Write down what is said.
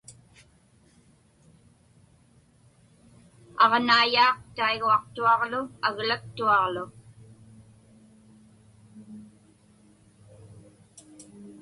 Aġnaiyaaq taiguaqtuaġlu aglaktuaġlu.